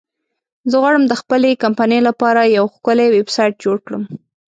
زه غواړم د خپلې کمپنی لپاره یو ښکلی ویبسایټ جوړ کړم